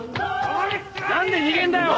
何で逃げんだよ？